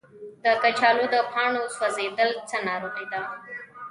د کچالو د پاڼو سوځیدل څه ناروغي ده؟